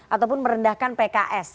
ataupun merendahkan pks